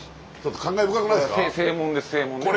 感慨深くないですか？